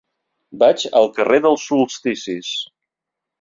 Vaig al carrer dels Solsticis.